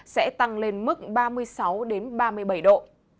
sẽ tăng lên mức ba mươi sáu ba mươi bảy độ